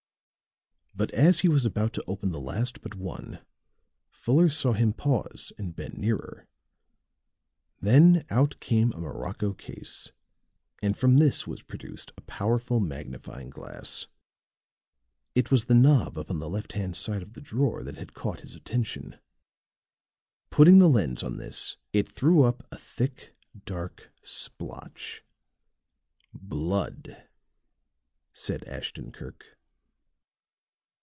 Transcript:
But as he was about to open the last but one, Fuller saw him pause and bend nearer. Then out came a morocco case and from this was produced a powerful magnifying glass. It was the knob upon the left hand side of the drawer that had caught his attention; putting the lens on this it threw up a thick, dark splotch. "Blood!" said Ashton Kirk.